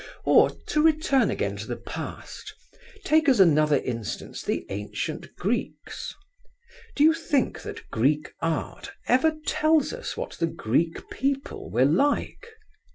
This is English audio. Or, to return again to the past, take as another instance the ancient Greeks. Do you think that Greek art ever tells us what the Greek people were like?